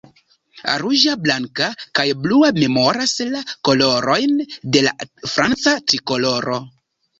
Ruĝa, blanka, kaj blua memoras la kolorojn de la franca Trikoloro.